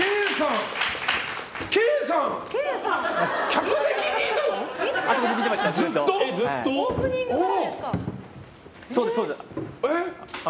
客席にいたの？